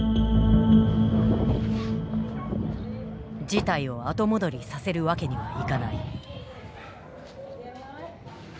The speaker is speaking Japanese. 事態を後戻りさせるわけにはいかない。